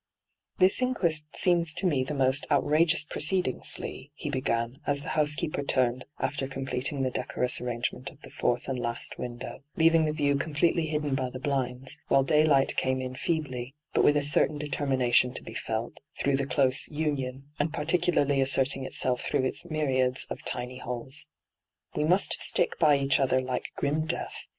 ' This inquest seems to me the most out rageous proceeding, Slee,' he began, as the housekeeper turned after completing the decorous arrangement of the fourth and last window, leaving the view completely hidden by the blinds, while daylight came in feebly, but with a certain determination to be felt, through the close ' union,' and particularly asserting itself through its myriads of tiny holes. ' We must stick by each other like grim death.